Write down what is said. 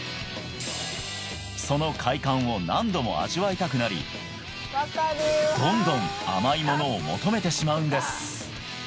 その快感を何度も味わいたくなりどんどん甘いものを求めてしまうんです